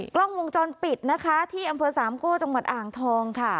กล้องวงจรปิดนะคะที่อำเภอสามโก้จังหวัดอ่างทองค่ะ